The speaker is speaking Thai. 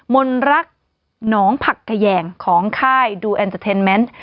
มนรักหนองผักขยงของค่ายดูแอนเตอร์เทนเมนต์